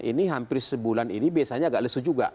ini hampir sebulan ini biasanya agak lesu juga